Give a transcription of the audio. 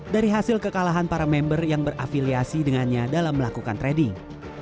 dari hasil kekalahan para member yang berafiliasi dengannya dalam melakukan trading